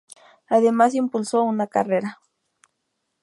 Además impulsó una carrera.